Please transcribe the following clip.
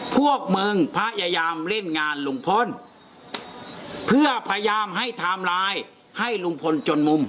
พวกมึงพยายามเล่นงานลุงพลเพื่อพยายามให้ไทม์ไลน์ให้ลุงพลจนมุม